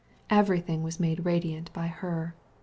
Everything was made bright by her.